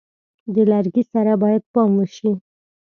د لرګي سره باید پام وشي.